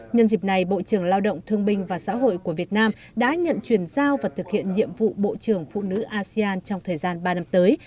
nhân dịp này bộ trưởng lao động thương binh và xã hội của việt nam đã nhận truyền giao và thực hiện nhiệm vụ bộ trưởng phụ nữ asean trong thời gian ba năm tới